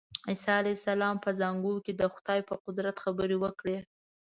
عیسی علیه السلام په زانګو کې د خدای په قدرت خبرې وکړې.